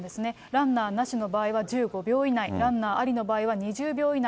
ランナーなしの場合は１５秒以内、ランナーありの場合は２０秒以内。